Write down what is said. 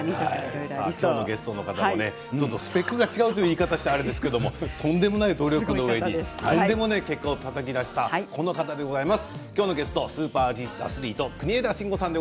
今日のゲストの方もスペックが違うという言い方をしたらあれですけどとんでもない努力のうえにとんでもない結果をたたき出したこの方でございます。